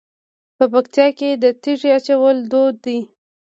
په پکتیا کې د تیږې اچول دود دی.